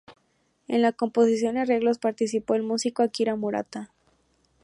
En la composición y arreglos participó el músico Akira Murata.